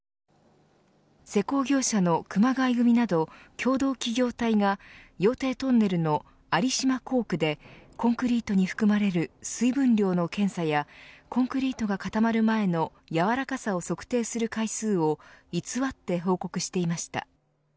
施工業者の熊谷組など共同企業体が羊蹄トンネルの有島工区でコンクリートに含まれる水分量の検査やコンクリートが固まる前のやわらかさを測定する回数を偽って報告していました。